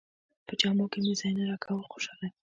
په جامو کې مې ځای نه راکاوه له خوشالۍ.